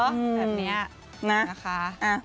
แบบนี้นะคะ